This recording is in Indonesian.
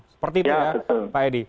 seperti itu ya pak edi